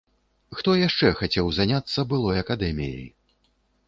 Хто яшчэ хацеў заняцца былой акадэміяй?